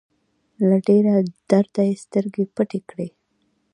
له ډېره درده يې سترګې پټې کړې.